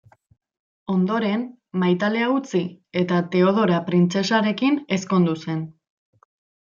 Ondoren, maitalea utzi eta Teodora printzesarekin ezkondu zen.